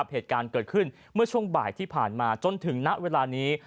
เหตุการณ์เกิดขึ้นเมื่อช่วงบ่ายที่ผ่านมาจนถึงณเวลานี้